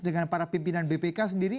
dengan para pimpinan bpk sendiri